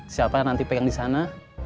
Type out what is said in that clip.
siapa nanti pengen disana